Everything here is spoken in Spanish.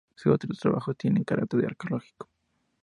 Sus otros trabajos tienen carácter arqueológico.